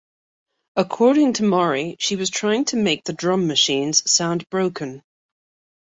According to Mori, she was trying to make the drum machines sound broken.